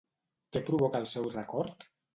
Què provoca el seu record?